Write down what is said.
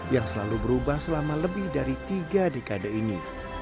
yang selalu berubah selama lebih dari tiga dekade ini